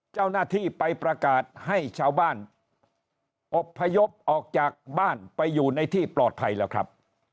เจ้าหน้าที่ไปประกาศให้ชาวบ้านอบพยพออกจากบ้านไปอยู่ในที่ปลอดภัยแล้วครับ